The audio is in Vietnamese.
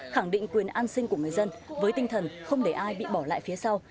khẳng định quyền an sinh của người dân với tinh thần không để ai bị bỏ lại phía sau